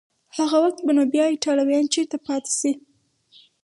هغه وخت به نو بیا ایټالویان چیري پاتې شي؟